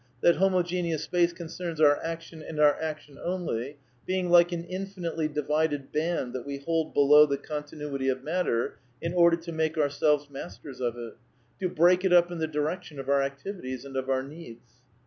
that homogeneous space concerns our action and our action only, being like an infinitely divided band that we hold below the continuity of matter in order to make ourselves masters of it, to break it up in the direc tion of our activities and of our needs."